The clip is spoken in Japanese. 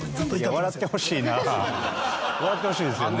笑ってほしいですよね。